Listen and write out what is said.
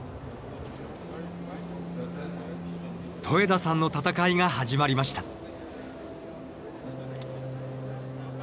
戸枝さんの戦いが始まりました。